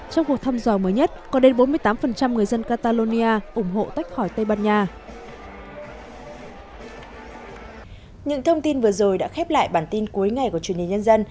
trong cuộc thăm dò mới nhất có đến bốn mươi tám người dân catalonia ủng hộ tách khỏi tây ban nha